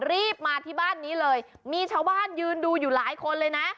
รีบมาที่บ้านนี้เลยมีชาวบ้านยืนดูอยู่หลายคนเลยนะ